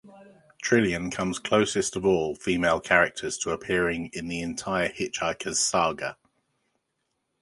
Trillian comes closest of all female characters to appearing in the entire "Hitchhiker's" saga.